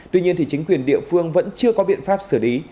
tuy nhiên thì chính quyền địa phương vẫn chưa có biện pháp xử lý